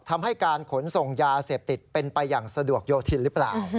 ทำให้การขนส่งยาเสพติดเป็นไปอย่างสะดวกโยธินหรือเปล่า